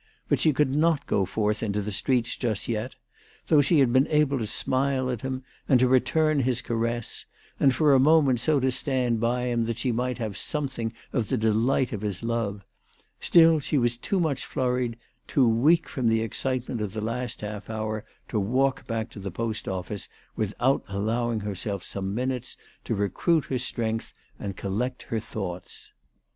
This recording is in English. But she could not go forth into the streets just yet. Though she had been able to smile at him and to return his caress, and for a moment so to stand by him that she might have some thing of the delight of his love, still she was too much flurried, too weak from the excitement of the last half hour, to walk back to the Post Office without allowing herself some minutes to recruit her strength and collect her thoughts.